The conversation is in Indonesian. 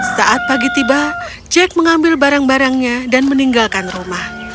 saat pagi tiba jack mengambil barang barangnya dan meninggalkan rumah